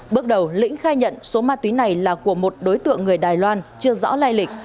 bước đầu lĩnh khai nhận số ma túy này là của một đối tượng người đài loan chưa rõ lai lịch